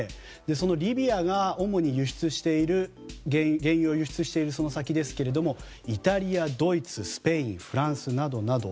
そのリビアが主に輸出している原油を輸出しているその先ですがイタリア、ドイツ、スペインフランスなどなど。